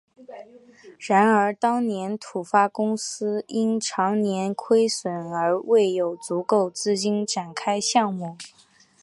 然而当年土发公司因长年亏损而未有足够资金展开项目。